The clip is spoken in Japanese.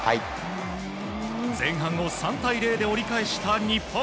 前半を３対０で折り返した日本。